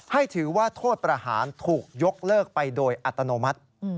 ให้ถือว่าโทษประหารถูกยกเลิกไปโดยอัตโนมัติ